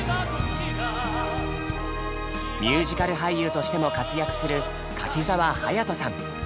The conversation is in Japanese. ミュージカル俳優としても活躍する柿澤勇人さん。